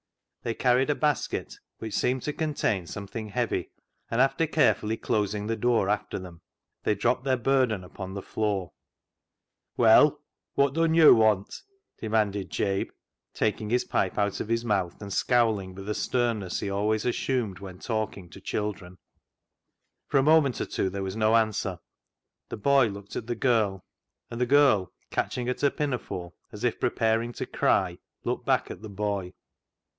They carried a basket which seemed to contain something heavy, and after carefully closing the door after them, they dropped their burden upon the floor. " Well, wot dun yd want ?" demanded Jabe, taking his pipe out of his mouth, and scowling with a sternness he always assumed when talking to children. For a moment or two there was no answer ; the boy looked at the girl ; and the girl, catch ing at her pinafore as if preparing to cry, looked back at the boy.